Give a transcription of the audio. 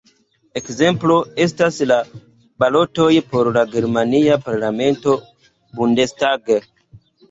Ekzemplo estas la balotoj por la germania parlamento Bundestag.